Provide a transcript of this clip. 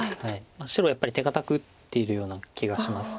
白やっぱり手堅く打っているような気がします。